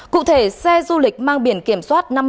cụ thể xe du lịch mang biển kiểm soát